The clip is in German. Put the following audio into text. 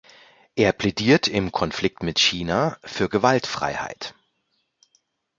Er plädiert im Konflikt mit China für Gewaltfreiheit.